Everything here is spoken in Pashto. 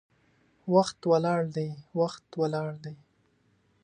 وخت ولاړ دی، وخت ولاړ دی